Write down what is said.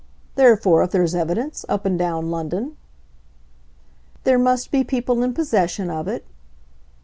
Therefore if there's evidence, up and down London " "There must be people in possession of it?